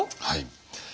はい。